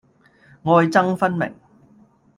愛憎分明